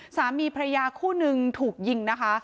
สามีพระยาคู่นึงถูกยิงนะคะ